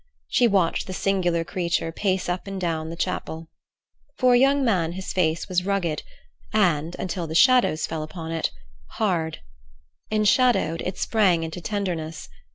She watched the singular creature pace up and down the chapel. For a young man his face was rugged, and—until the shadows fell upon it—hard. Enshadowed, it sprang into tenderness.